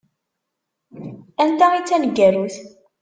Anta i d taneggarut?